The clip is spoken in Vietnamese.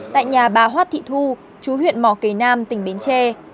tại nhà bà hoát thị thu chú huyện mỏ cầy nam tỉnh bến tre